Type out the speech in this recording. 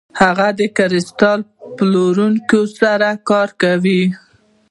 هغه د کریستال پلورونکي سره کار کوي.